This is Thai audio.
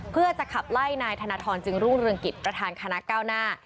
เพื่อจะขับไล่นายธนทรจึงรุ่งเรืองกิจประธานคณะก้าวหน้า